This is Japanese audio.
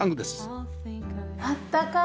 あったかい。